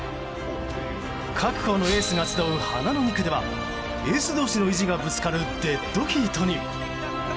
各校のエースが集う花の２区ではエース同士の意地がぶつかるデッドヒートに。